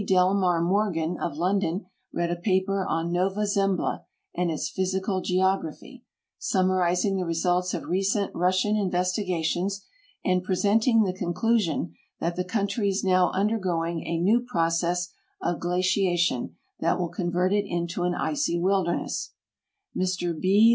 Delmar Morgan, of London, read a paper on Nova Zem bla and its Physical Geography, summarizing the results of re cent Russian investigations and presenting the conclusion that the country is now undergoing a new process of glaciation that will convert it into an icy wilderness ; Mr B.